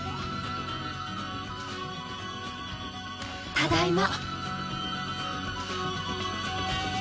ただいま。